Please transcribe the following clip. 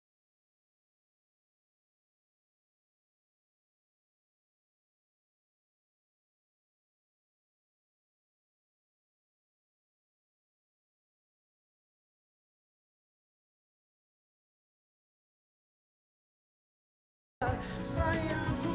gak ada apa apa